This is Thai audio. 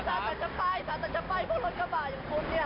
ก็ใช่สัตว์จะไปสัตว์จะไปพวกรถกระบาดอย่างคุณเนี่ย